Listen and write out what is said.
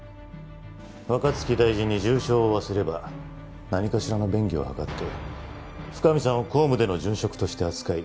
若槻大臣に重傷を負わせれば何かしらの便宜を図って深海さんを公務での殉職として扱い。